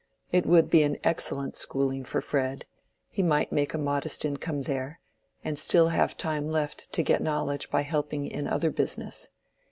It would be an excellent schooling for Fred; he might make a modest income there, and still have time left to get knowledge by helping in other business.